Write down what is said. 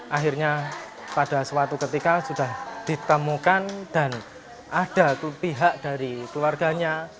akhirnya pada suatu ketika sudah ditemukan dan ada pihak dari keluarganya